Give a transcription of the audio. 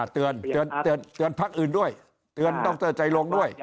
เตือนพักอื่นด้วยเตือนดรใจลงด้วย